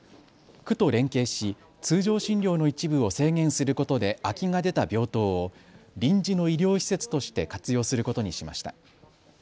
区と連携し通常診療の一部を制限することで空きが出た病棟を臨時の医療施設として活用することにしました。